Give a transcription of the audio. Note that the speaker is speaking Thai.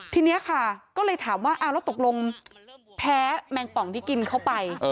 ทีนี้ค่ะก็เลยถามว่าแล้วตกลงแพ้แมงป่องที่กินเข้าไป